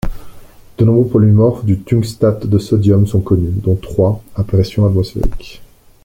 De nombreux polymorphes du tungstate de sodium sont connus, dont trois à pression atmosphérique.